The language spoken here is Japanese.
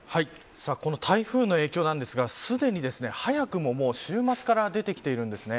この台風の影響なんですがすでに早くも週末から出てきているんです。